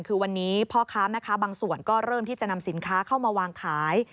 คือวันนี้พ่อค้าแม่ค้าบางส่วนก็เริ่มที่จะนำสินค้าเข้ามาวางขาย